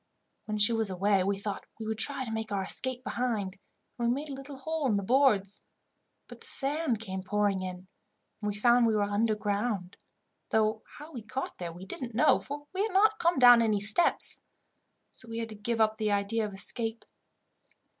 When she was away, we thought we would try to make our escape behind, and we made a little hole in the boards; but the sand came pouring in, and we found we were underground, though how we got there we didn't know, for we had not come down any steps. So we had to give up the idea of escape."